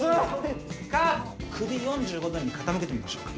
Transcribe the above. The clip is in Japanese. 首４５度に傾けてみましょうか。